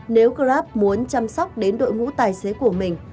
nếu grab muốn chăm sóc đến đội ngũ tài xế của mình